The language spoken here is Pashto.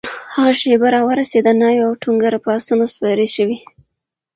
هغه شېبه راورسېده؛ ناوې او ټونګره پر آسونو سپرې شوې